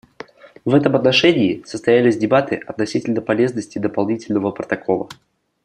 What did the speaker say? В этом отношении состоялись дебаты относительно полезности дополнительного протокола.